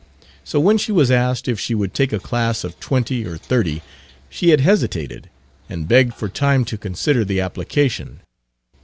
So when she was asked if she would take a class of twenty or thirty, she had hesitated, and begged for time to consider the application.